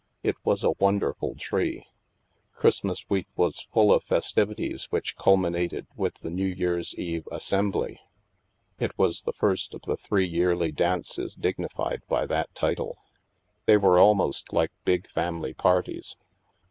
It was a wonderful tree. Christmas week was full of festivities which cul minated with the New Year's Eve " Assembly." It was the first of the three yearly dances dignified by that title. They were almost like big family parties.